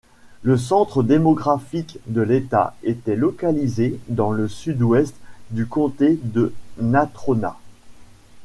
Le centre démographique de l'État était localisé dans le sud-ouest du comté de Natrona.